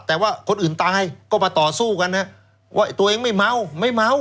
แต่ว่าคนอื่นตายก็มาต่อสู้กันนะว่าตัวเองไม่เมาไม่เมา